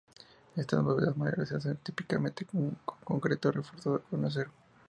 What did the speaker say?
Estas bóvedas mayores se hacen típicamente con concreto reforzado con acero.